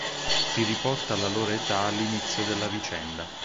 Si riporta la loro età all'inizio della vicenda.